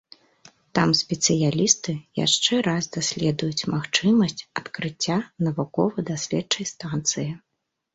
Там спецыялісты яшчэ раз даследуюць магчымасць адкрыцця навукова-даследчай станцыі.